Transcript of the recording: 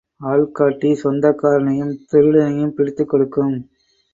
ஆள் காட்டி சொந்தக்காரனையும் திருடனையும் பிடித்துக கொடுக்கும்.